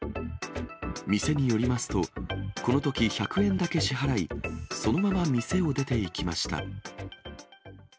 店によりますと、このとき１００円だけ支払い、そのまま店を出ていきました。